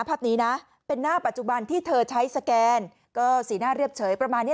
ภาพนี้นะเป็นหน้าปัจจุบันที่เธอใช้สแกนก็สีหน้าเรียบเฉยประมาณนี้